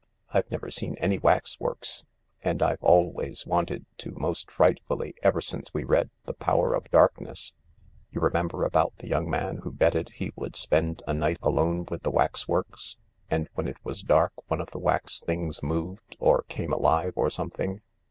I've never seen any waxworks and I've always wanted to most frightfully, ever since we read ' The Power of Darkness/ You remember about the young man who betted he would spend a night alone with the waxworks, and when it was dark one of the wax things moved or came alive or some thing?